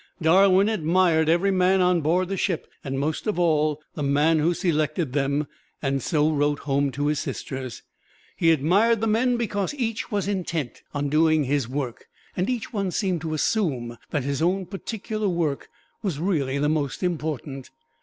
Darwin admired every man on board the ship, and most of all, the man who selected them, and so wrote home to his sisters. He admired the men because each was intent on doing his work, and each one seemed to assume that his own particular work was really the most important.